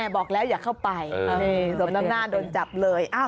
บอกแล้วอย่าเข้าไปดนตร์โดนจับเลย